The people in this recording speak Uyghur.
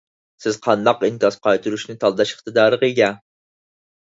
سىز قانداق ئىنكاس قايتۇرۇشنى تاللاش ئىقتىدارىغا ئىگە.